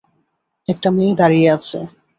একটা মেয়ে দাঁড়িয়ে আছে।